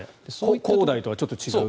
恒大とはちょっと違うと。